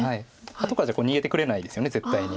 後からじゃ逃げてくれないですよね絶対に。